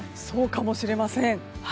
そうかもしれません。